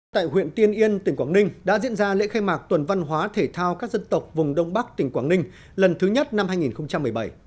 tại huyện tiên yên tỉnh quảng ninh đã diễn ra lễ khai mạc tuần văn hóa thể thao các dân tộc vùng đông bắc tỉnh quảng ninh lần thứ nhất năm hai nghìn một mươi bảy